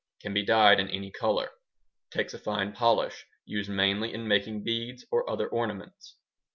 Can be dyed in any color. Takes a fine polish. Used mainly in making beads or other ornaments.